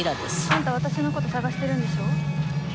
あんた私のこと捜してるんでしょ？